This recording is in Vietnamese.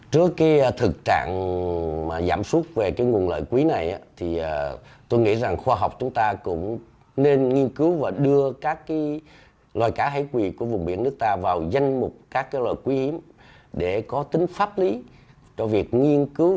trước thực trạng giảm suốt về nguồn lợi quý này tôi nghĩ khoa học chúng ta cũng nên nghiên cứu và đưa các loài cá hải quỷ của vùng biển nước ta vào danh mục các loài quý để có tính pháp lý cho việc nghiên cứu